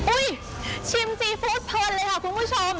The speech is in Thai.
ชิมซีฟู้ดเพลินเลยค่ะคุณผู้ชม